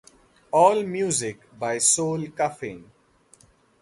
All music by Soul Coughing.